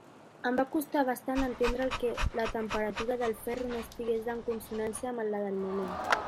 Em va costar bastant entendre que la temperatura del ferro no estigués en consonància amb la del moment.